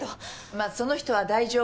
まあその人は大丈夫。